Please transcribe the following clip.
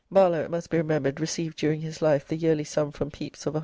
Barlow, it must be remembered, received during his life the yearly sum from Pepys of L100.